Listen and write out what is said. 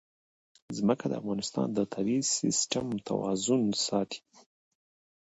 ځمکه د افغانستان د طبعي سیسټم توازن ساتي.